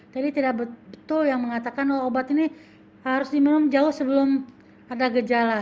jadi tidak betul yang mengatakan obat ini harus diminum jauh sebelum ada gejala